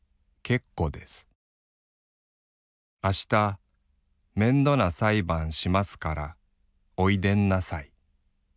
あしためんどなさいばんしますからおいでんなさい。